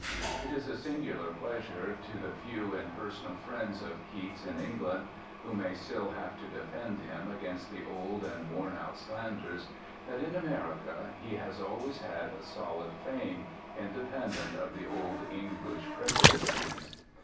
It is a singular pleasure to the few in personal friends of Keats in England (who may still have to defend him against the old and worn out slanders) that in America he has always had a solid fame, independent of the old English prejudices.